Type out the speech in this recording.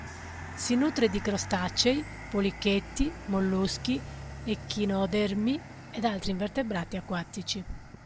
Si nutre di crostacei, policheti, molluschi, echinodermi ed altri invertebrati acquatici.